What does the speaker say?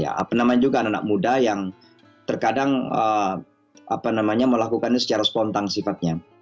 apa namanya juga anak anak muda yang terkadang melakukannya secara spontan sifatnya